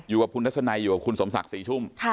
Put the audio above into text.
อยู่กับคุณทัศนัยอยู่กับคุณสมศักดิ์ศรีชุ่ม